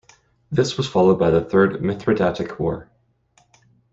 This was followed by the Third Mithridatic War.